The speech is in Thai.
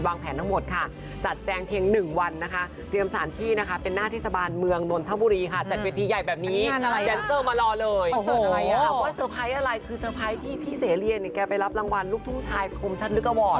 อ๋อว่าเซอร์ไพรส์อะไรคือเซอร์ไพรส์ที่พี่เสรียไปรับรางวัลลูกทุ่งชายคมชั่นลึกอวอร์ด